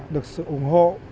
được sự ủng hộ